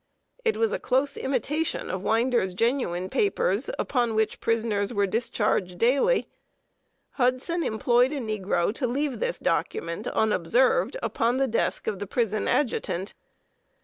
It was a close imitation of Winder's genuine papers upon which prisoners were discharged daily. Hudson employed a negro to leave this document, unobserved, upon the desk of the prison Adjutant.